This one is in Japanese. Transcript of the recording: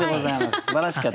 すばらしかったです。